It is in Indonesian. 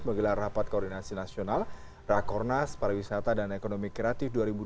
menggelar rapat koordinasi nasional rakornas pariwisata dan ekonomi kreatif dua ribu dua puluh